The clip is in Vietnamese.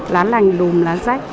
lá lành đùm lá rách